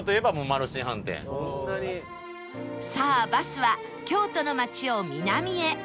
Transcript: さあバスは京都の街を南へ